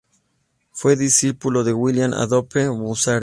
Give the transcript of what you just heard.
Fue discípulo de William Adolphe Bouguereau.